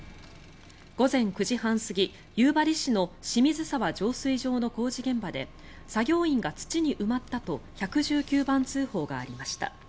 午前９時半過ぎ、夕張市の清水沢浄水場の工事現場で作業員が土に埋まったと１１９番通報がありました。